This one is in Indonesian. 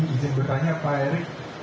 izin bertanya pak erick